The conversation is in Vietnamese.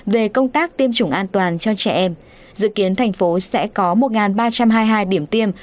về công tác tiêm chủng an toàn cho trẻ em dự kiến thành phố sẽ có một ba trăm hai mươi hai điểm tiêm